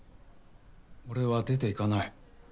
俺は出て行かない。